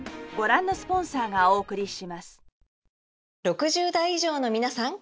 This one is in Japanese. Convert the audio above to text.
６０代以上のみなさん！